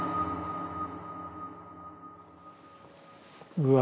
うわ